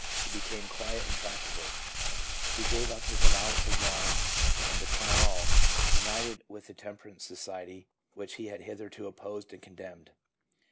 He became quiet and tractable, he gave up his allowance of wine, and to crown all, united with the temperance society which he had hitherto opposed and condemned.